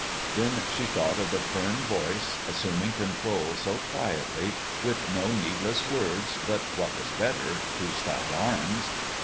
Then she thought of the firm voice, assuming control so quietly, with no needless words, but, what was better, two stout arms.